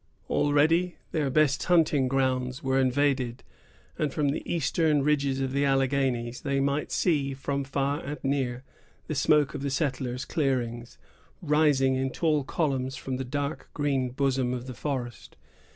Already their best hunting grounds were invaded, and from the eastern ridges of the Alleghanies they might see, from far and near, the smoke of the settlers' clearings, rising in tall columns from the dark green bosom of the forest.